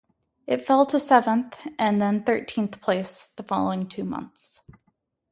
It fell to seventh and then thirteenth place the following two months.